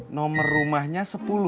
nomor rumahnya sepuluh